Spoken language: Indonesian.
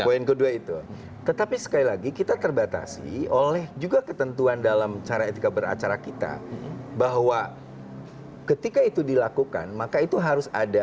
poin kedua itu tetapi sekali lagi kita terbatasi oleh juga ketentuan dalam cara etika beracara kita bahwa ketika itu dilakukan maka itu harus ada